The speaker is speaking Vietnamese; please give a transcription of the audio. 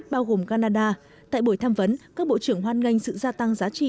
bao gồm canada tại buổi tham vấn các bộ trưởng hoan nghênh sự gia tăng giá trị